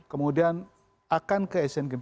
kemudian akan ke asian games